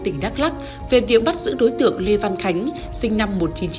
tỉnh đắk lắc về việc bắt giữ đối tượng lê văn khánh sinh năm một nghìn chín trăm tám mươi